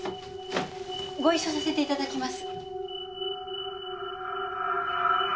ご一緒させて頂きます。